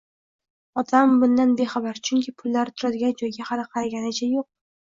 Otam bundan bexabar, chunki pullari turadigan joyga xali qaraganicha yo‘q.